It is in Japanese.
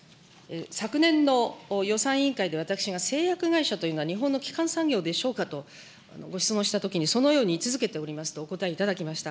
昨年の予算委員会で私が製薬会社というのは、日本の基幹産業でしょうかとご質問したときに、そのように位置づけておりますと、お答えいただきました。